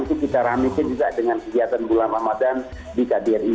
itu kita rame juga dengan kegiatan bulan ramadan di kbri